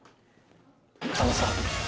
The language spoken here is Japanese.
あのさ。